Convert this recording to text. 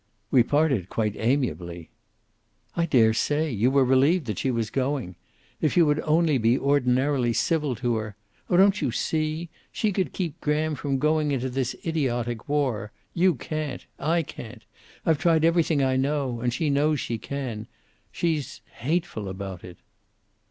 "We parted quite amiably." "I dare say! You were relieved that she was going. If you would only be ordinarily civil to her oh, don't you see? She could keep Graham from going into this idiotic war. You can't. I can't. I've tried everything I know. And she knows she can. She's hateful about it."